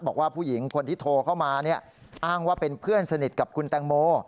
บอกว่าผู้หญิงคนที่โทรเข้ามาอ้างว่าเป็นเพื่อนสนิทกับคุณแตงโม